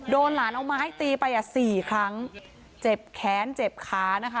โดนหลานเอาไม้ตีไปอ่ะสี่ครั้งเจ็บแขนเจ็บขานะคะ